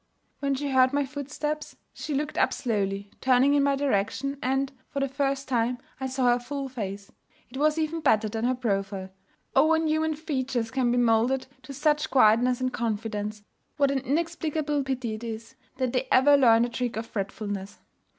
When she heard my footsteps, she looked up slowly, turning in my direction, and, for the first time, I saw her full face. It was even better than her profile. Oh! when human features can be moulded to such quietness and confidence, what an inexplicable pity it is that they ever learn the trick of fretfulness!